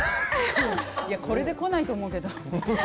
これで来ないと思うけど。